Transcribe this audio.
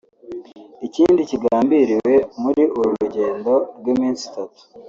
Ikindi kigambiriwe mu uru rugendo rw’iminsi itatu